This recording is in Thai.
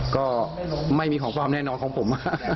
ก็ไม่มีของความแน่นอนของผม